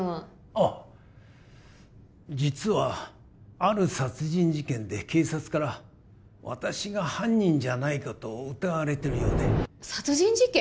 ああ実はある殺人事件で警察から私が犯人じゃないかと疑われてるようで殺人事件！？